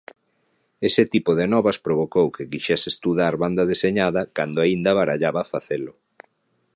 Ese tipo de novas provocou que quixese estudar banda deseñada cando aínda barallaba facelo.